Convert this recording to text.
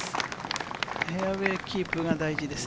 フェアウエーキープが大事です。